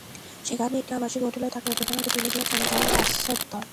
সেখানে একটি আবাসিক হোটেলে তাঁকে অন্যদের হাতে তুলে দিয়ে চলে যায় আছদ্দর।